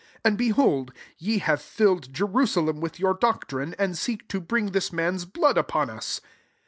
and, behold, ye have filled Jerusalem with your doc trine, and seek to bring this man's blood upon us."